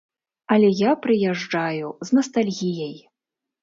Але я прыязджаю з настальгіяй.